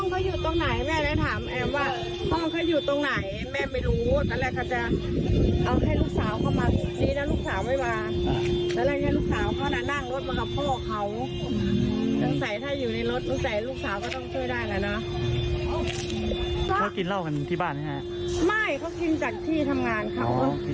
อ๋อไปจากที่ทำงาน